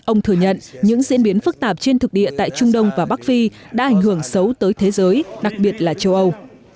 ông thừa nhận những diễn biến phức tạp trên thực địa tại trung đông và bắc phi đã ảnh hưởng xấu tới thế giới đặc biệt là châu âu